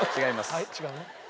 はい違うね。